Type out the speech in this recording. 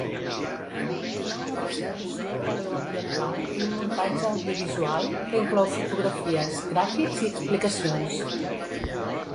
Hi ha una restitució paleoambiental i un muntatge audiovisual, que inclou fotografies, gràfics i explicacions.